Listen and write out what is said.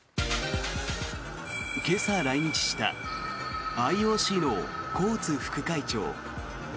今朝、来日したＩＯＣのコーツ副会長。